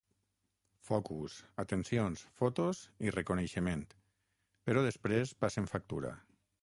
Focus, atencions, fotos i reconeixement, però després passen factura.